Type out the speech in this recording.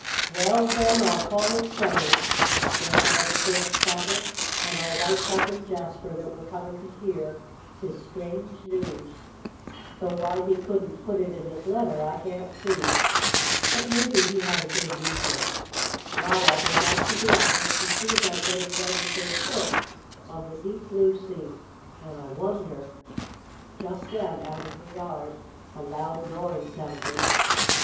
"Well, then, I'll call it settled," went on the twins' father, "and I'll write Cousin Jasper that we're coming to hear his strange news, though why he couldn't put it in his letter I can't see. But maybe he had a good reason. Now I'll go back to the office and see about getting ready for a trip on the deep, blue sea. And I wonder " Just then, out in the yard, a loud noise sounded.